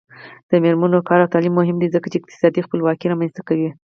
د میرمنو کار او تعلیم مهم دی ځکه چې اقتصادي خپلواکي رامنځته کوي.